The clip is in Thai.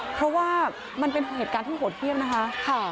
เพราะว่ามันเป็นเหตุการณ์ที่โหดเยี่ยมนะคะ